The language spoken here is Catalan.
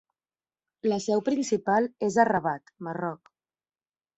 La seu principal és a Rabat, Marroc.